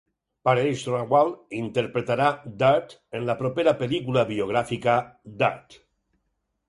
Paresh Rawal interpretarà Dutt en la propera pel·lícula biogràfica "Dutt"